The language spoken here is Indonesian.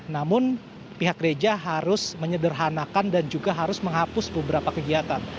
namun pihak gereja harus menyederhanakan dan juga harus menghapus beberapa kegiatan